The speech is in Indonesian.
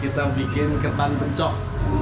kita bikin ketan pencok